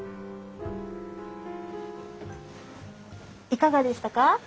いかがでしたか？